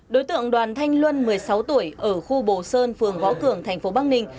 đối tượng đoàn thanh luân một mươi sáu tuổi ở khu bồ sơn phường gõ cường tp bắc ninh